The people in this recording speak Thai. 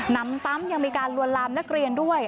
นำซ้ำยังมีการลวนลามนักเรียนด้วย